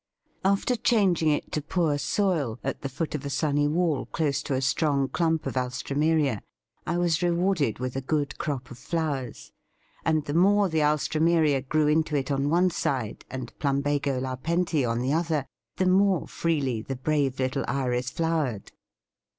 After changing it to poor soil, at the foot of a sunny wall close to a strong clump of Alströmeria, I was rewarded with a good crop of flowers; and the more the Alströmeria grew into it on one side and Plumbago Larpenti on the other, the more freely the brave little Iris flowered.